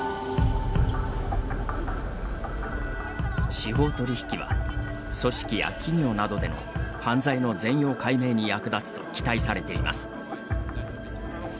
司法取引は、組織や企業などでの犯罪の全容解明に役立つと期待されています。